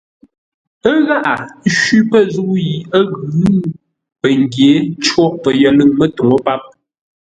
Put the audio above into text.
Ə̂ gháʼá shwí pə̂ zə̂u yi ə́ ghʉ̌, pəngyě côghʼ pəyəlʉ̂ŋ mətuŋú páp.